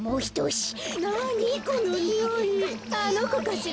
あのこかしら？